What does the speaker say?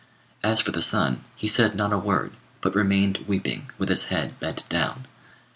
As for the son, he said not a word, but remained weeping, with his head bent down.